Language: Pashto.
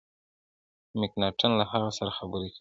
مکناټن له هغه سره خبري کولې.